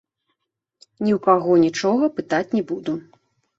Ні ў каго нічога пытаць не буду.